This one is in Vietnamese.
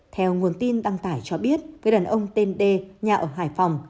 theo nguồn tin đăng tải cho biết người đàn ông tên đê nhà ở hải phòng